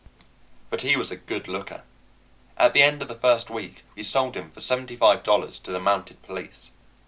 But he was a good looker. At the end of the first week we sold him for seventy five dollars to the Mounted Police.